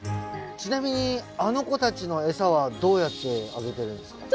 ちなみにあの子たちのエサはどうやってあげてるんですか？